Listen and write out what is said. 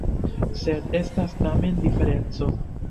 Sed estas tamen diferenco.